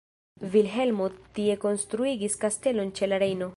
Vilhelmo tie konstruigis kastelon ĉe la Rejno.